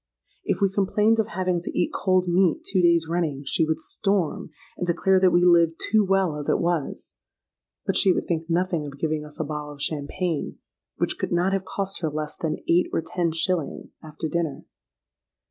If we complained of having to eat cold meat two days running, she would storm, and declare that we lived too well as it was;—but she would think nothing of giving us a bottle of champagne, which could not have cost her less than eight or ten shillings, after dinner.